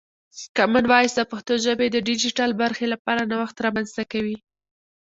کامن وایس د پښتو ژبې د ډیجیټل برخې لپاره نوښت رامنځته کوي.